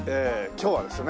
今日はですね